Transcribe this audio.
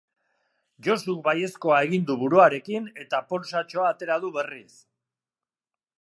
Josuk baiezkoa egin du buruarekin eta poltsatxoa atera du berriz.